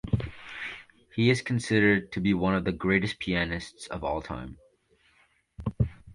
He is considered to be one of the greatest pianists of all time.